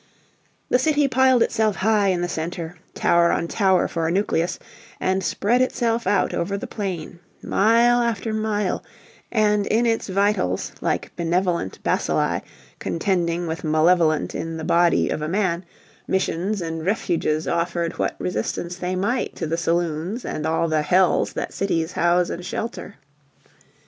The city piled itself high in the center, tower on tower for a nucleus, and spread itself out over the plain, mile after mile; and in its vitals, like benevolent bacilli contending with malevolent in the body of a man, missions and refuges offered what resistance they might to the saloons and all the hells that cities house and shelter.